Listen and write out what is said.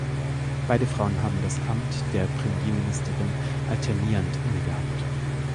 Beide Frauen haben das Amt der Premierministerin alternierend innegehabt.